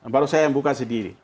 baru saya yang buka sendiri